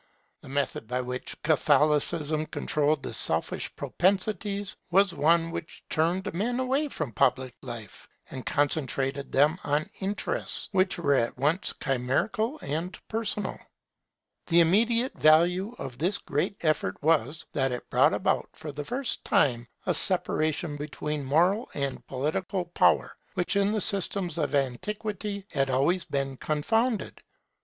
The method by which Catholicism controlled the selfish propensities was one which turned men away from public life, and concentrated them on interests which were at once chimerical and personal. The immediate value of this great effort was, that it brought about for the first time a separation between moral and political power, which in the systems of antiquity had always been confounded.